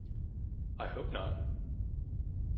I hope not.